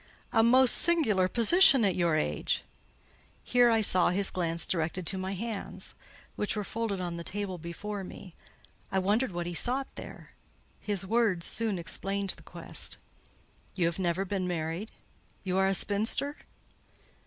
"A most singular position at your age!" Here I saw his glance directed to my hands, which were folded on the table before me. I wondered what he sought there: his words soon explained the quest. "You have never been married? You are a spinster?"